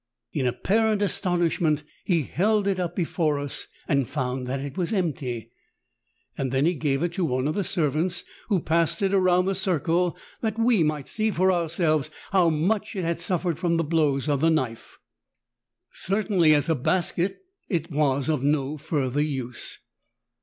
In apparent astonishment he held it up before us and found that it was empty. Then he gave it to one of the servants, who passed it around the circle that we might see for ourselves how much it had suffered from the blows of the knife. Certainly as a basket it was of no further use.